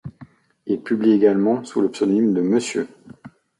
Il publie également sous le pseudonyme de Mr.